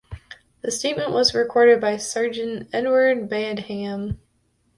The statement was recorded by Sergeant Edward Badham.